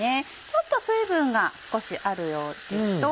ちょっと水分が少しあるようですと。